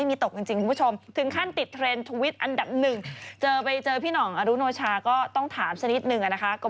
มีเรื่องอะไรของพี่น้องเหมือน